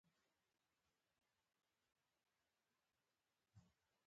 شمعه د غوړ استازیتوب کوي